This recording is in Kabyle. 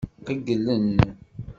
Qeyylen.